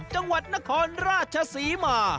จังหวัดนครราชศรีมา